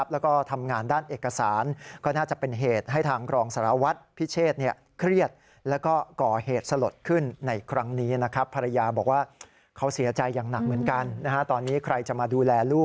และทำงานด้านเอกสารก็น่าจะเป็นเหตุ